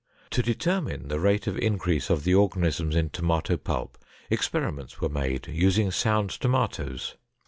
To determine the rate of increase of the organisms in tomato pulp, experiments were made, using sound tomatoes.